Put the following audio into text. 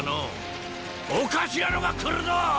おかしなのが来るぞォ！